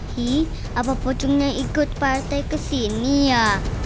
hi apa bodo pengikut partai kesini ya